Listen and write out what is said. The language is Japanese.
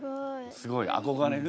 すごい。憧れる？